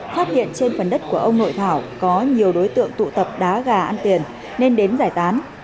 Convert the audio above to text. phát hiện trên phần đất của ông nội thảo có nhiều đối tượng tụ tập đá gà ăn tiền nên đến giải tán